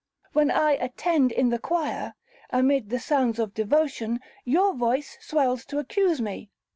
When I attend in the choir, amid the sounds of devotion your voice swells to accuse me.